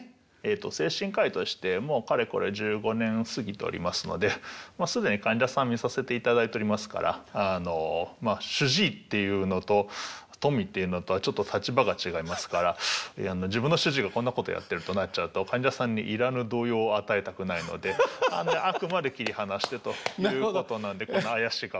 精神科医としてもうかれこれ１５年過ぎておりますので既に患者さん診させていただいておりますから主治医っていうのとＴｏｍｙっていうのとはちょっと立場が違いますから自分の主治医がこんなことやってるとなっちゃうと患者さんにいらぬ動揺を与えたくないのであくまで切り離してということなんでこんな怪しい格好。